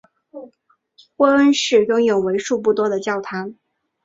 波恩市拥有为数不少的教堂。